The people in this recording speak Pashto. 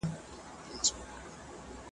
آیا همغږي تر ګډوډۍ منظمه ده؟